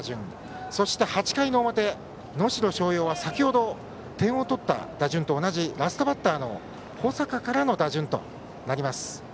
そして８回の表、能代松陽は先ほど点を取った打順と同じラストバッターの保坂からの打順となります。